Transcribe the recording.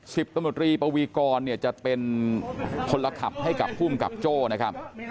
สิบตำรวจรีปวีกรเนี่ยจะเป็นคนละขับให้กับภูมิกับโจ้นะครับ